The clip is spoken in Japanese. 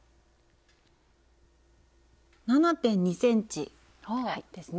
７．２ｃｍですね。